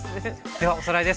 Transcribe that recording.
ではおさらいです。